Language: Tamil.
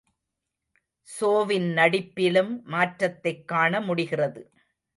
சோவின் நடிப்பிலும் மாற்றத்தைக் காணமுடிகிறது.